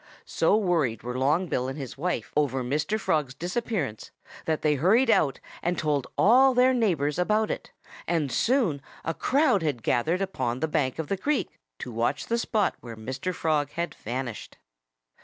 So worried were Long Bill and his wife over Mr. Frog's disappearance that they hurried out and told all their neighbors about it. And soon a crowd had gathered upon the bank of the creek, to watch the spot where Mr. Frog had vanished.